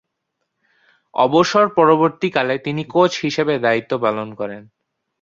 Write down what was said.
অবসর পরবর্তীকালে তিনি কোচ হিসেবে দায়িত্ব পালন করেন।